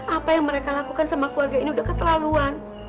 apa yang mereka lakukan sama keluarga ini udah keterlaluan